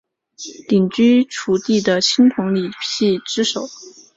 鼎居楚地的青铜礼器之首。